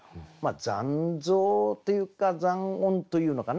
残像というか残音というのかな。